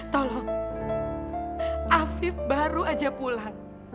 tolong afif baru aja pulang